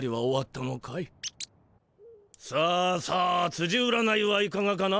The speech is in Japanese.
さあさあつじ占いはいかがかな？